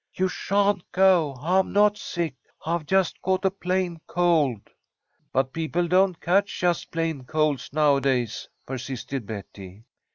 "You sha'n't go! I'm not sick! I've just caught a plain cold." "But people don't catch just plain colds nowadays," persisted Betty.